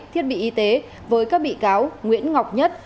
thiết bị y tế với các bị cáo nguyễn ngọc nhất